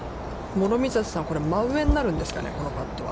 諸見里さん、これは真上になるんですかね、このパットは。